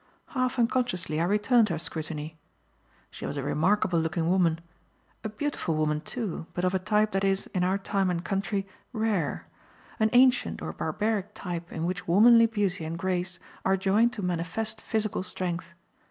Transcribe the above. Half unconsciously I returned her scrutiny. She was a remarkable looking woman. A beautiful woman, too, but of a type that is, in our time and country, rare: an ancient or barbaric type in which womanly beauty and grace are joined to manifest physical strength.